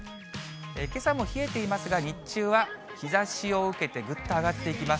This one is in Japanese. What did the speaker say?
けさも冷えていますが、日中は日ざしを受けて、ぐっと上がっていきます。